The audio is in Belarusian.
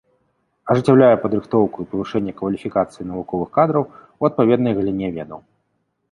Ажыццяўляе падрыхтоўку і павышэнне кваліфікацыі навуковых кадраў у адпаведнай галіне ведаў.